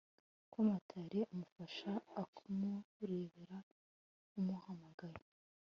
ko motari amufasha akamurebera umuhamagaye